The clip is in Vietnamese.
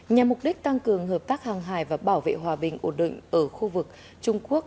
nhằm mục đích tăng cường hợp tác hàng hải và bảo vệ hòa bình ổn định ở khu vực trung quốc